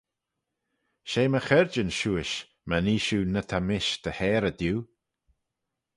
She my chaarjyn shiuish, my nee shiu ny ta mish dy harey diu.